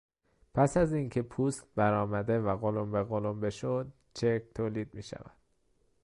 پس از اینکه پوست برآمده و قلنبه قلنبه شد چرک تولید میشود.